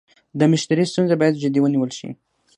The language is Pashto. د مشتري ستونزه باید جدي ونیول شي.